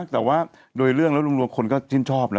แต่ว่าเรื่องรวมคนก็ชิ่มชอบนะ